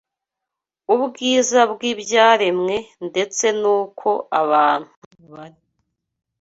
ubwiza bw’ibyaremwe ndetse n’uko abantu bari